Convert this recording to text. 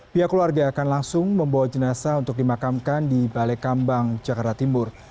pihak keluarga akan langsung membawa jenazah untuk dimakamkan di balai kambang jakarta timur